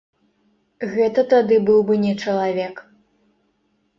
Гэта тады быў бы не чалавек.